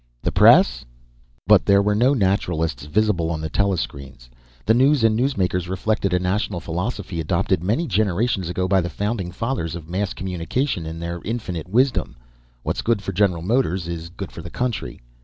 The press? But there were no Naturalists visible on the telescreens. The news and the newsmakers reflected a national philosophy adopted many generations ago by the Founding Fathers of mass communication in their infinite wisdom "_What's good for General Motors is good for the country.